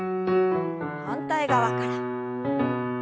反対側から。